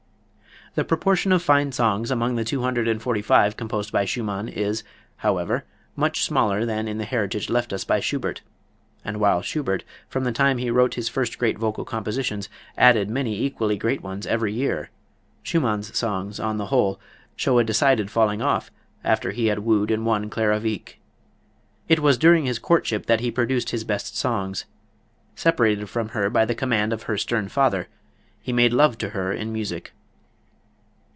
The proportion of fine songs among the two hundred and forty five composed by Schumann is, however, much smaller than in the heritage left us by Schubert; and while Schubert, from the time he wrote his first great vocal compositions, added many equally great ones every year, Schumann's songs, on the whole, show a decided falling off after he had wooed and won Clara Wieck. It was during his courtship that he produced his best songs. Separated from her by the command of her stern father, he made love to her in music.